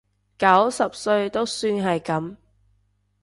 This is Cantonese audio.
九十歲都算係噉